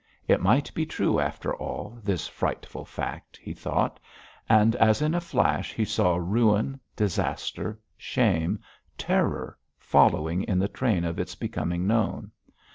It might be true, after all, this frightful fact, he thought, and as in a flash he saw ruin, disaster, shame, terror following in the train of its becoming known.